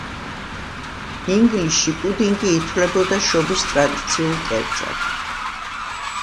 ინგლისში პუდინგი ითვლებოდა შობის ტრადიციულ კერძად.